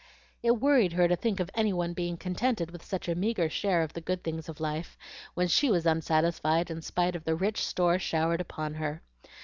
It worried her to think of any one being contented with such a meagre share of the good things of life, when she was unsatisfied in spite of the rich store showered upon her.